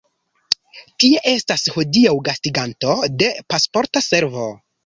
Tie estas hodiaŭ gastiganto de Pasporta Servo.